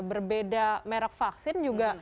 berbeda merek vaksin juga